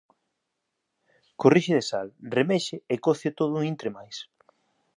Corrixe de sal, remexe e coce o todo un intre máis.